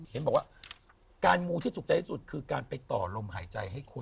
เห็นบอกว่าการมูที่ถูกใจที่สุดคือการไปต่อลมหายใจให้คน